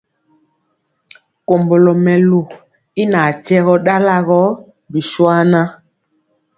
Kombolo mɛlu y ŋatyegɔ dalagɔ bishuaŋa.